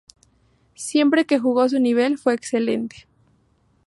Siempre que jugó su nivel fue excelente.